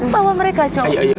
bawa mereka cok